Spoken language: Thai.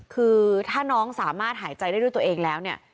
คือถ้าน้องสามารถหายใจได้ด้วยตัวเองแล้วเนี่ย